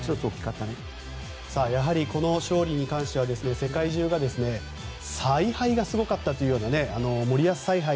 やはりこの勝利に関しては世界中が采配がすごかったと森保采配